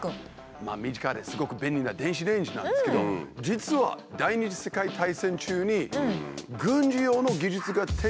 身近ですごく便利な電子レンジなんですけど実は知らなかった！